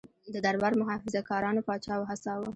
د دربار محافظه کارانو پاچا وهڅاوه.